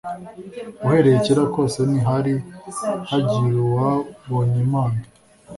Uhereye kera kose ntihari hagiruwabonylmana